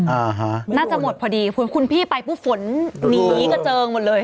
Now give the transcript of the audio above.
อ่าฮะน่าจะหมดพอดีคุณพี่ไปปุ๊บฝนหนีกระเจิงหมดเลย